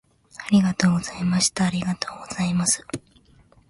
ありがとうございました。ありがとうございます。